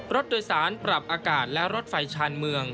รถโดยสารปรับอากาศและรถไฟชาญเมือง